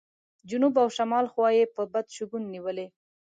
جنوب او شمال خوا یې په بد شګون نیولې.